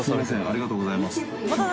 ありがとうございます。